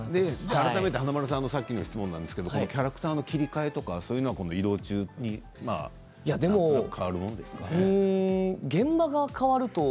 改めて華丸さんのさっきの質問ですがキャラクターの切り替えとか移動中になんとなく変わるものですか？